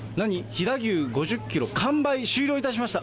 飛騨牛５０キロ、完売、終了いたしました。